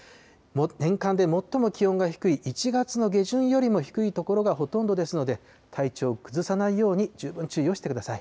年間で最も気温が低い１月の下旬よりも低い所がほとんどですので、体調を崩さないように十分注意をしてください。